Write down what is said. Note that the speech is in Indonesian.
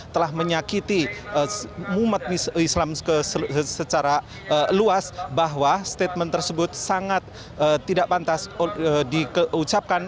telah menyakiti umat islam secara luas bahwa statement tersebut sangat tidak pantas diucapkan